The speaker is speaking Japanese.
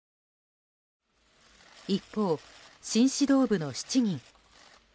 一方、新指導部の７人。